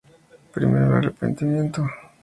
Primero el Arrepentimiento.